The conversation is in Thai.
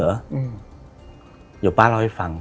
เดี๋ยวป้าเล่าให้ฟัง